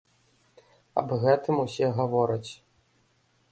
Аб гэтым усе гавораць.